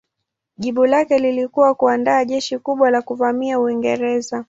Jibu lake lilikuwa kuandaa jeshi kubwa la kuvamia Uingereza.